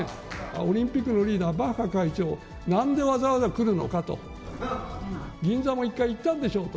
オリンピックのリーダー、バッハ会長、なんでわざわざ来るのかと、銀座も１回行ったんでしょうと。